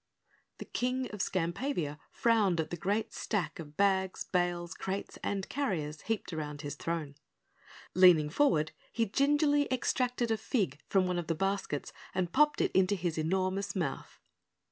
The King of Skampavia frowned at the great stack of bags, bales, crates and carriers heaped around his throne. Leaning forward, he gingerly extracted a fig from one of the baskets and popped it into his enormous mouth.